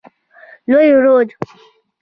لوی رود.